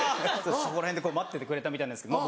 そこら辺で待っててくれたみたいなんですけど